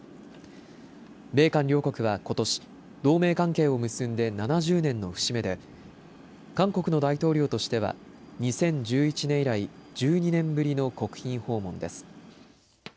米韓両国はことし、同盟関係を結んで７０年の節目で韓国の大統領としては２０１１年以来１２年ぶりの国賓訪問です。